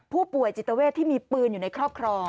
ผู้ป่วยจิตเวทที่มีปืนอยู่ในครอบครอง